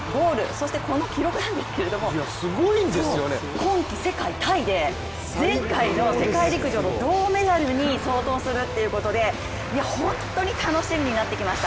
そしてこの記録なんですけども今季世界タイで前回の世界陸上の銅メダルに相当するということで、本当に楽しみになってきました。